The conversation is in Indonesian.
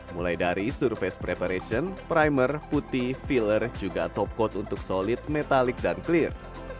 mulai dari surface preparation primer putih filler juga top code untuk solid metalik dan clear